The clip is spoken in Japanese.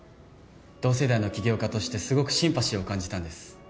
同世代の起業家としてすごくシンパシーを感じたんです。